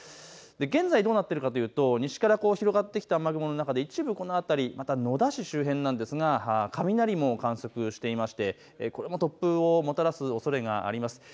現在どうなっているかというと西から広がってきた雨雲の中で一部、この辺り、野田市周辺なんですが雷も観測していてこれも突風をもたらすおそれがあります。